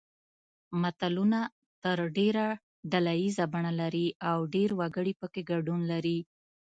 متلونه تر ډېره ډله ییزه بڼه لري او ډېر وګړي پکې ګډون لري